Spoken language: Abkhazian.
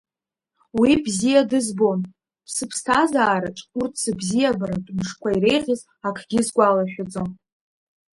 Уи бзиа дызбон, сыԥсҭазаараҿ урҭ сыбзиабаратә мшқәа иреиӷьыз акгьы сгәалашәаӡом.